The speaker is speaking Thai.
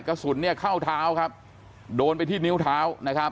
กระสุนเข้าเท้าครับโดนไปที่นิ้วเท้า